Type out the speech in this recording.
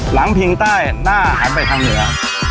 พิงใต้หน้าหันไปทางเหนือ